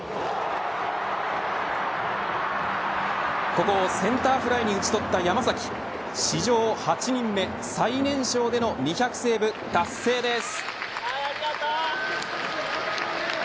ここをセンターフライに打ち取った山崎史上８人目最年少での２００セーブ、達成です。